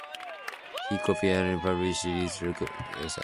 He copyrighted and published it through Richter Music Company of Casper.